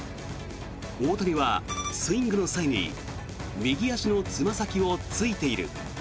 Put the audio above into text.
大谷はスイングの際に右足のつま先をついている。